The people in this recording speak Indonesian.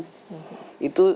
itu sebetulnya satu struktur